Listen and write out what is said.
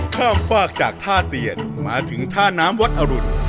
ข้ามฝากจากท่าเตียนมาถึงท่าน้ำวัดอรุณ